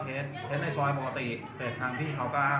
แต่ว่าเมืองนี้ก็ไม่เหมือนกับเมืองอื่น